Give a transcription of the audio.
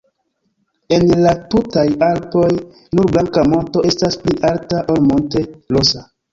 En la tutaj Alpoj, nur Blanka Monto estas pli alta ol Monte-Rosa.